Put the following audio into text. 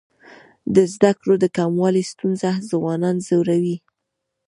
د زده کړو د کموالي ستونزه ځوانان ځوروي.